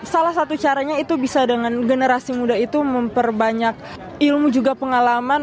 salah satu caranya itu bisa dengan generasi muda itu memperbanyak ilmu juga pengalaman